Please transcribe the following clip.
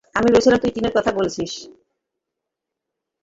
আমি ভেবেছিলাম তুই, টিনার কথা বলছিস।